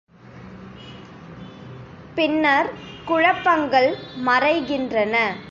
பின்னர் குழப்பங்கள் மறைகின்றன.